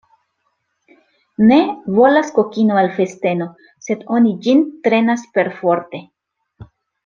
Ne volas kokino al festeno, sed oni ĝin trenas perforte.